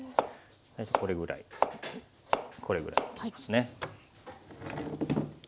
これぐらいこれぐらいにしますね。